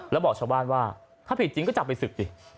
แล้วบอกชาวบ้านว่าถ้าผิดจริงก็จับไปศึกสิ